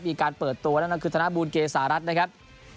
มีการเปิดตัวนั่นก็คือธนบูลเกษารัฐนะครับ